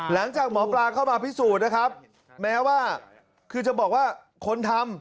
หลังจากหมอปลาเข้ามาพิสูจน์นะครับแม้ว่าคือจะบอกว่าคนทำ